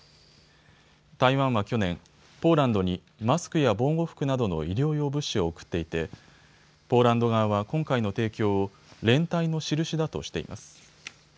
台湾は去年、ポーランドにマスクや防護服などの医療用物資を送っていてポーランド側は今回の提供を連帯のしるしだとしています。